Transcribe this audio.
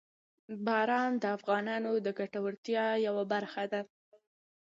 باران د افغانانو د ګټورتیا یوه برخه ده.